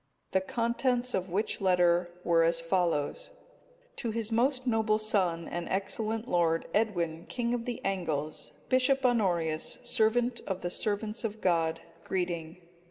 The contents of which letter were as follow: "_To his most noble son, and excellent lord, Edwin king of the Angles, Bishop Honorius, servant of the servants of God, greeting.